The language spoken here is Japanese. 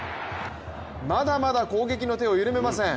まだまだ攻撃の手を緩めません。